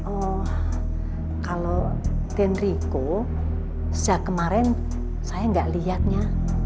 oh kalau den riko sejak kemarin saya gak liatnya